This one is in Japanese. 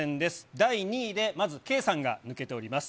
第２位で、まず圭さんが抜けております。